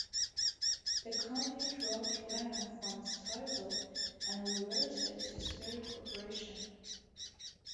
The company dropped "Rand" from its title and reverted to Sperry Corporation.